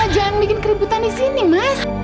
jangan bikin keributan di sini mas